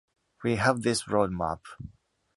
We have this road map.